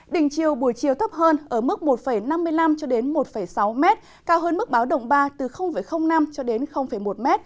đỉnh chiều buổi chiều thấp hơn ở mức một năm mươi năm cho đến một sáu m cao hơn mức báo động ba từ năm cho đến một m